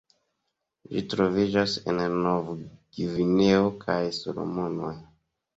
Ĝi troviĝas en Novgvineo kaj Salomonoj.